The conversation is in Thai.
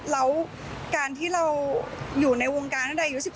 แล้วการที่เราอยู่ในวงการตั้งแต่อายุ๑๘